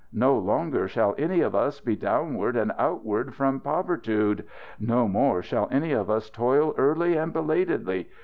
No longer shall any of us be downward and outward from povertude. No more shall any of us toil early and belatedly.